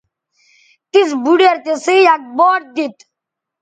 تِس بُھوڈیر تِسئ یک باٹ دیتھ